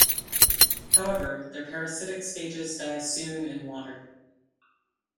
However, their parasitic stages die soon in water.